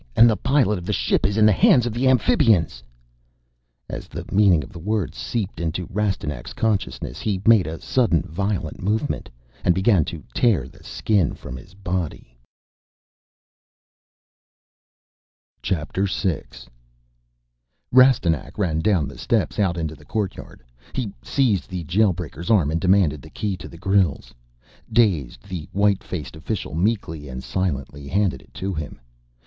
And the pilot of the ship is in the hands of the Amphibians!_" As the meaning of the words seeped into Rastignac's consciousness he made a sudden violent movement and began to tear the Skin from his body! VI Rastignac ran down the steps, out into the courtyard. He seized the Jail breaker's arm and demanded the key to the grilles. Dazed, the white faced official meekly and silently handed it to him.